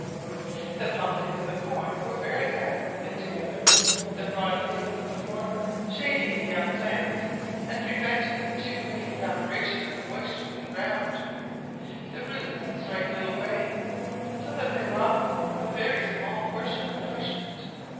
The pumpkins and the corn grow very amicably together, the broad leaves of the former shading the young plants and preventing the too great evaporation of the moisture from the ground; the roots strike little way, so that they rob the corn of a very small portion of nourishment.